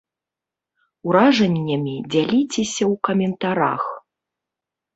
Уражаннямі дзяліцеся ў каментарах.